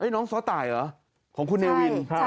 น้องสเต่าะของคุณนีวิน